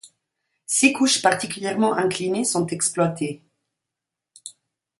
Six couches particulièrement inclinées sont exploitées.